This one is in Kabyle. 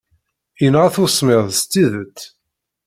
Yenɣa-t usemmiḍ s tidet.